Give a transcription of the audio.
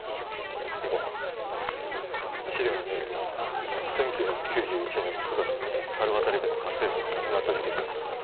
行こう資料に目を通した１９９１年９月に猿渡家の家政婦が亡くなった事件があったな